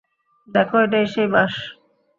দেখ, এটাই সেই বাস।